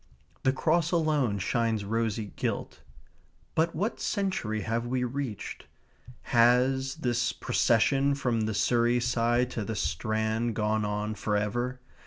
The cross alone shines rosy gilt. But what century have we reached? Has this procession from the Surrey side to the Strand gone on for ever?